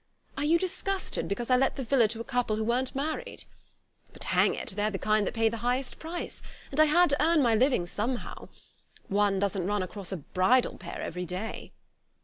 Are you disgusted because I let the villa to a couple who weren't married! But, hang it, they're the kind that pay the highest price and I had to earn my living somehow! One doesn't run across a bridal pair every day...."